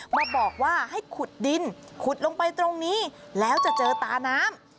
มาบอกว่าให้ขุดดินขุดลงไปตรงนี้แล้วจะเจอตาน้ำ